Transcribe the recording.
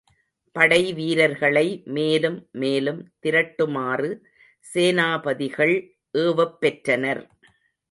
படைவீரர்களை மேலும் மேலும் திரட்டுமாறு சேனாபதிகள் ஏவப்பெற்றனர்.